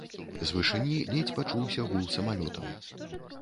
З вышыні ледзь пачуўся гул самалётаў.